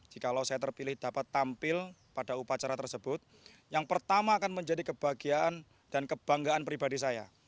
jikalau saya terpilih dapat tampil pada upacara tersebut yang pertama akan menjadi kebahagiaan dan kebanggaan pribadi saya